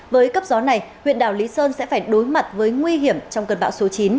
với cấp gió này huyện đảo lý sơn sẽ phải đối mặt với nguy hiểm trong cơn bão số chín